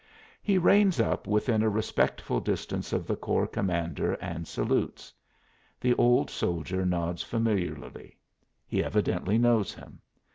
He reins up within a respectful distance of the corps commander and salutes. The old soldier nods familiarly; he evidently knows him.